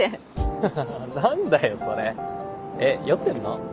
ハハハ何だよそれえっ酔ってんの？